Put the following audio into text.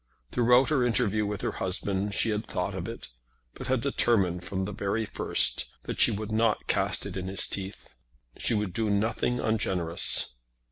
Throughout her interview with her husband she had thought of it, but had determined from the very first that she would not cast it in his teeth. She would do nothing ungenerous.